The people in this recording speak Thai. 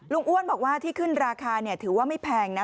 อ้วนบอกว่าที่ขึ้นราคาถือว่าไม่แพงนะ